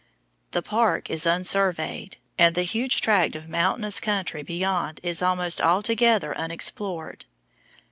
The park is unsurveyed, and the huge tract of mountainous country beyond is almost altogether unexplored.